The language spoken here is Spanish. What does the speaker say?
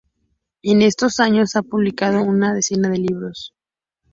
En esos años, ha publicado una decena de libros.